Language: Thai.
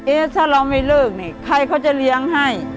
ถ้าเราไม่เลิกนี่ใครเขาจะเลี้ยงให้